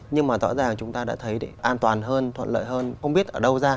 nhưng mà rõ ràng chúng ta đã thấy để an toàn hơn thuận lợi hơn không biết ở đâu ra